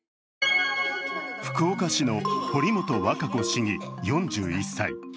福岡市の堀本和歌子市議４１歳。